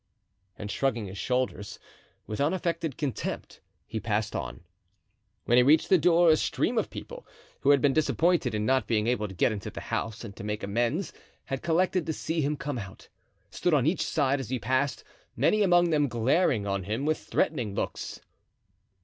And shrugging his shoulders with unaffected contempt he passed on. When he reached the door a stream of people, who had been disappointed in not being able to get into the house and to make amends had collected to see him come out, stood on each side, as he passed, many among them glaring on him with threatening looks.